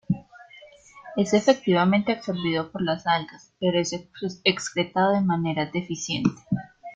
Es efectivamente absorbido por las algas, pero es excretado de manera deficiente.